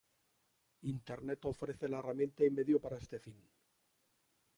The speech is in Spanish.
Internet ofrece la herramienta y medio para este fin.